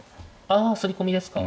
あすり込みですか。